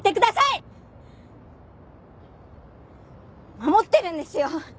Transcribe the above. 守ってるんですよ。